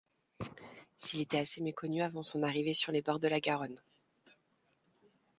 S'il était assez méconnu avant son arrivée sur les bords de la Garonne.